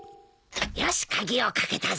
よし鍵をかけたぞ。